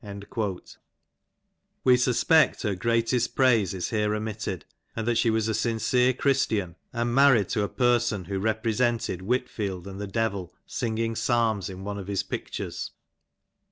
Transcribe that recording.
^^ We suspect her greatest praise is here omitted, and that she was a sincere Christian, and married to a person who represented Whit field and the Devil singing psalms in one of his pictures.